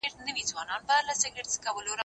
زه بايد سبا ته فکر وکړم؟!